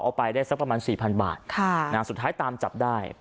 เอาไปได้สักประมาณสี่พันบาทสุดท้ายตามจับได้